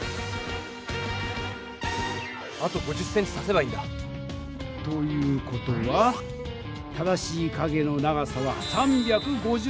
あと５０ｃｍ足せばいいんだ！という事は正しい影の長さは３５０ｃｍだ。